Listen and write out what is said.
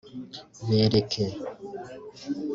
bereke